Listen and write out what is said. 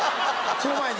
その前に。